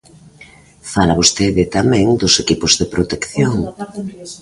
Fala vostede tamén dos equipos de protección.